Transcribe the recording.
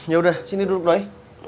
yaudah sini duduk doi